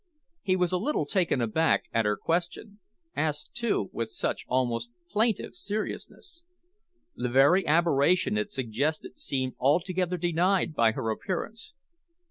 He was a little taken aback at her question asked, too, with such almost plaintive seriousness. The very aberration it suggested seemed altogether denied by her appearance.